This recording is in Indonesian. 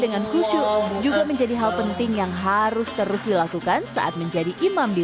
dengan khusyuk juga menjadi hal penting yang harus terus dilakukan saat menjadi imam di